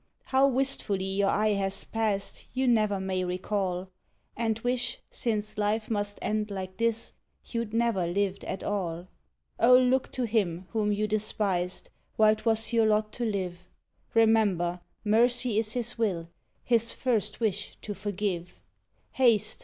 How wistfully you eye that past you never may recall, And wish, since life must end like this, you'd never lived at all. Oh! look to Him whom you despised, while 'twas your lot to live; Remember! mercy is His will; His first wish to forgive. Haste!